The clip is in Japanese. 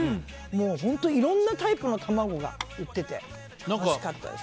本当にいろんなタイプの卵が売っていて、楽しかったです。